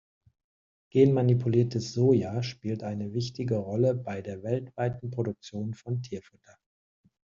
Genmanipuliertes Soja spielt eine wichtige Rolle bei der weltweiten Produktion von Tierfutter.